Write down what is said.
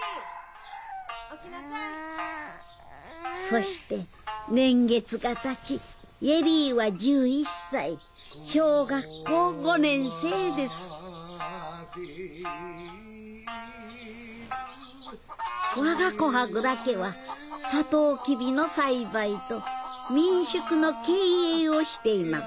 そして年月がたち恵里は１１歳小学校５年生ですわが古波蔵家はサトウキビの栽培と民宿の経営をしています。